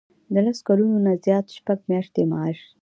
د لس کلونو نه زیات شپږ میاشتې معاش.